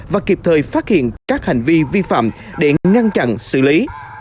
và kịp thời phát hiện các hành vi vi phạm để ngăn chặn xử lý